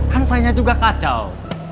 kan sayanya juga kacau